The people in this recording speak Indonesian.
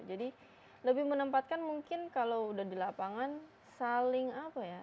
jadi lebih menempatkan mungkin kalau udah di lapangan saling apa ya